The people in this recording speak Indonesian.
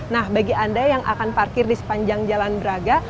nah bagi anda yang akan parkir di sepanjang jalan braga